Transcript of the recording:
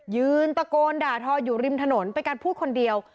ยืนตะโกนด่าทออยู่ริมถนนเป็นการพูดคนเดียว